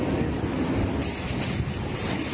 แล้วมันพอช่อง